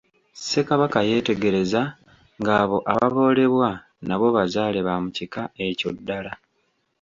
Ssekabaka yeetegereza ng'abo ababoolebwa nabo bazaale ba mu kika ekyo ddala.